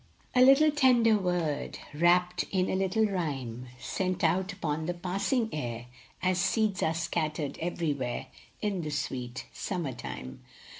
LITTLE, tender word, Wrapped in a little rhyme, Sent out upon the passing air, As seeds are scattered everywhere In the sweet summer time.